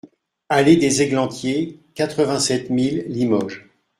AlléE des Eglantiers, quatre-vingt-sept mille Limoges